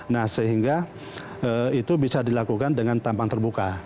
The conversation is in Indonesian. nah sehingga itu bisa dilakukan dengan tampang terbuka